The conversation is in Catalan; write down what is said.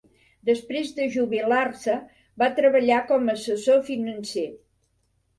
Després de jubilar-se, va treballar com a assessor financer.